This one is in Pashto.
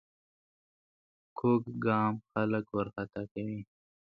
کوږ ګام خلک وارخطا کوي